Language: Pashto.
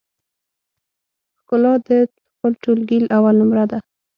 ښکلا د خپل ټولګي اول نمره ده